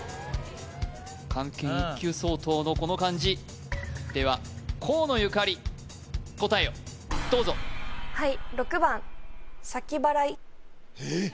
漢検１級相当のこの漢字では河野ゆかり答えをどうぞはいえっ？